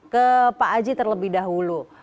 ke pak aji terlebih dahulu